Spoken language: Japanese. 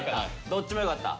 どっちも良かった？